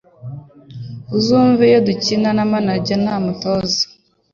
Muzumve izo dukina nta manager nta mutoza